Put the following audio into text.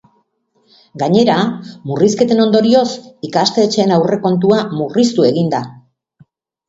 Gainera, murrizketen ondorioz ikastetxeen aurrekontua murriztu egin da.